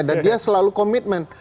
dan dia selalu komitmen